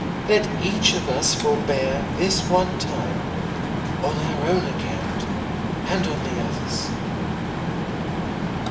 Let each of us forbear, this one time, on our own account, and on the other's!"